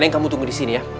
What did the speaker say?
yang kamu tunggu di sini ya